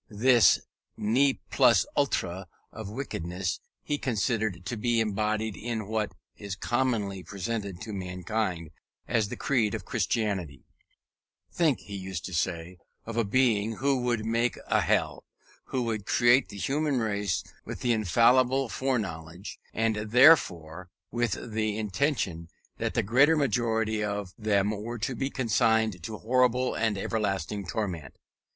This ne plus ultra of wickedness he considered to be embodied in what is commonly presented to mankind as the creed of Christianity. Think (he used to say) of a being who would make a Hell who would create the human race with the infallible foreknowledge, and therefore with the intention, that the great majority of them were to be consigned to horrible and everlasting torment.